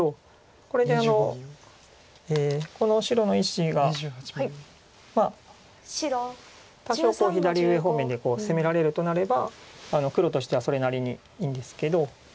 これでこの白の１子が多少左上方面で攻められるとなれば黒としてはそれなりにいいんですけど。